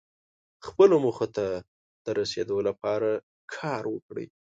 خپلو موخو ته رسیدو لپاره کار وکړئ.